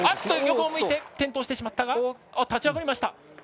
横を向いて転倒してしまったが立ち上がりました。